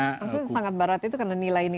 maksudnya sangat barat itu karena nilai ini